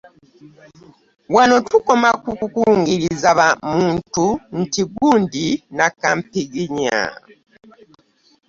Wano tukoma ku kukungiriza muntu nti gundi nnakampiginya!